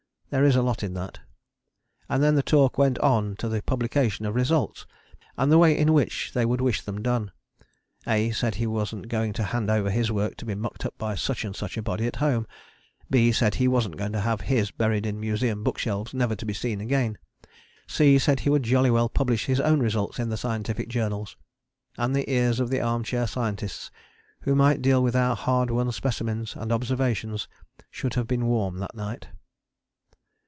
There is a lot in that. And then the talk went on to the publication of results, and the way in which they would wish them done. A said he wasn't going to hand over his work to be mucked up by such and such a body at home; B said he wasn't going to have his buried in museum book shelves never to be seen again; C said he would jolly well publish his own results in the scientific journals. And the ears of the armchair scientists who might deal with our hard won specimens and observations should have been warm that night.